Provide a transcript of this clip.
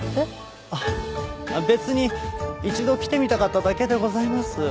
別に一度来てみたかっただけでございます。